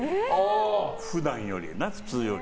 普段より、普通より。